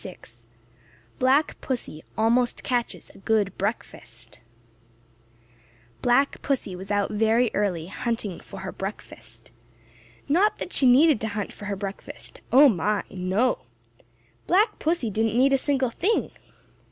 *VI* *BLACK PUSSY ALMOST CATCHES A GOOD BREAKFAST* Black Pussy was out very early, hunting for her breakfast. Not that she needed to hunt for her breakfast; oh, my, no! Black Pussy didn't need a single thing.